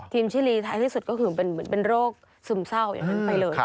ชิลีท้ายที่สุดก็คือเหมือนเป็นโรคซึมเศร้าอย่างนั้นไปเลย